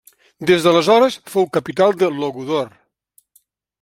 Des d'aleshores fou capital del Logudor.